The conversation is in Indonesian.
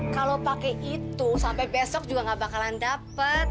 kalau pakai itu sampai besok juga gak bakalan dapat